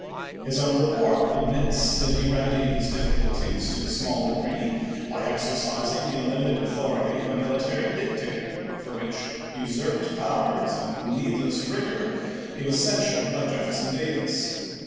His own report ad mits that he remedied his difficulties to a small degree by exercising the unlimited authority of a military dictator, for which " usurped powers " and j^^^^ ^^ "needless rigor" he was censured by Jefferson ^ ^'r®®' Davis.